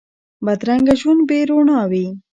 بدرنګه ژوند بې روڼا وي